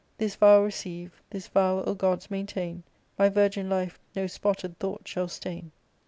This vow receive, this vow, O gods, maintain : My virgin life no spotted thought shall stain.